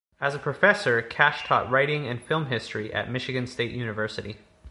As a professor, Cash taught writing and film history at Michigan State University.